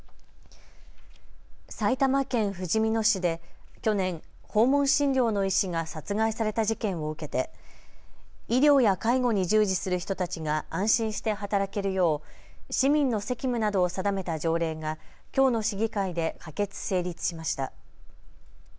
埼玉県ふじみ野市で去年、訪問診療の医師が殺害された事件を受けて医療や介護に従事する人たちが安心して働けるよう市民の責務などを定めた条例がきょうの市議会で可決・成立しました。